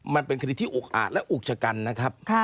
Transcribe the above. มันเป็นคดีที่อุกอาจและอุกชะกันนะครับ